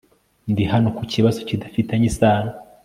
Ndi hano ku kibazo kidafitanye isano